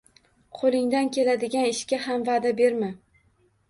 Qo’lingdan keladigan ishga ham va’da berma.